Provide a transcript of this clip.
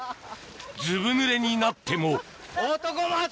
ずぶぬれになっても男松岡！